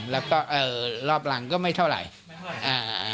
แล้วก็เอ่อรอบหลังก็ไม่เท่าไรไม่เท่าไรอ่าอ่า